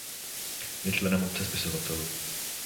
Je členem Obce spisovatelů.